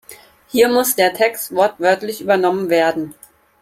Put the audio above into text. Hier muss der Text wortwörtlich übernommen werden.